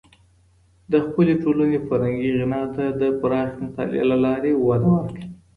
د خپلي ټولني فرهنګي غنا ته د پراخې مطالعې له لاري وده ورکړئ.